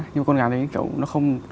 nhưng con gà đấy kiểu nó không